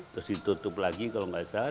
terus ditutup lagi kalau nggak salah